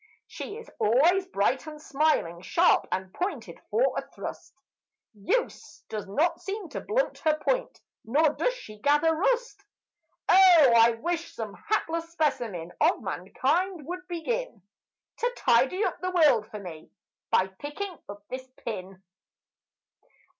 She is always bright and smiling, sharp and shining for a thrust Use does not seem to blunt her point, not does she gather rust Oh! I wish some hapless specimen of mankind would begin To tidy up the world for me, by picking up this pin.